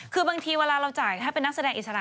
คือบางทีเวลาเราจ่ายถ้าเป็นนักแสดงอิสระ